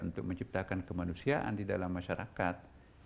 untuk menciptakan kemanusiaan di dalam masyarakat